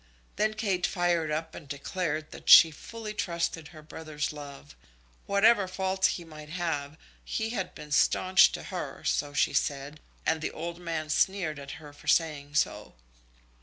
Then Kate fired up and declared that she fully trusted her brother's love. Whatever faults he might have, he had been staunch to her, So she said, and the old man sneered at her for saying so.